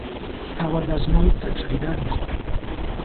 თავადაზნაურთა წრიდან იყო.